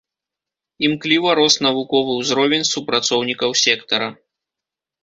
Імкліва рос навуковы ўзровень супрацоўнікаў сектара.